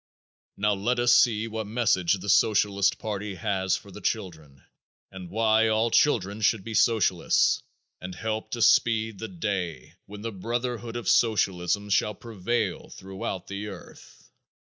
Now let us see what message the Socialist party has for the children and why all children should be socialists and help to speed the day when the brotherhood of socialism shall prevail throughout the earth.